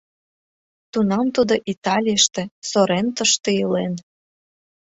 Тунам тудо Италийыште, Соррентошто илен.